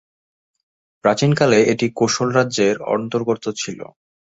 প্রাচীন কালে এটি কোশল রাজ্যের অন্তর্গত ছিল।